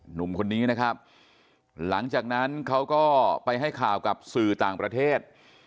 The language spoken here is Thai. หนุ่มคนนี้นะครับหลังจากนั้นเขาก็ไปให้ข่าวกับสื่อต่างประเทศ